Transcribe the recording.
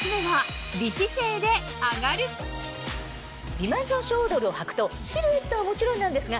美魔女ショードルをはくとシルエットはもちろんなんですが。